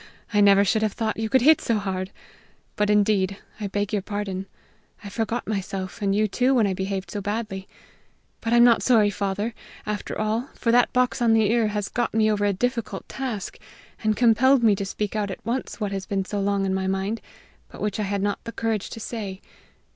"I never should have thought you could hit so hard. But, indeed, I beg your pardon. I forgot myself and you too when I behaved so badly. But I'm not sorry, father, after all, for that box on the ear has got me over a difficult task, and compelled me to speak out at once what has been long in my mind, but which I had not the courage to say.